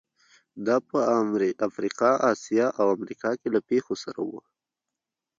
دا په افریقا، اسیا او امریکا کې له پېښو سره وو.